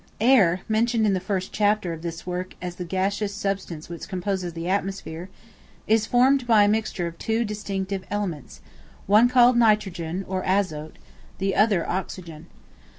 Air, mentioned in the first chapter of this work as the gaseous substance which composes the atmosphere, is formed by a mixture of two distinct elements, one called Nitrogen, or Azote, the other Oxygen.